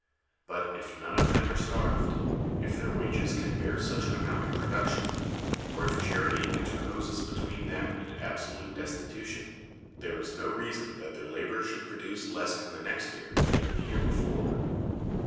But if none of them are starved, if their wages can bear such an amount of reduction, or if charity interposes between them and absolute destitution, there is no reason that their labor should produce less in the next year than in the year before.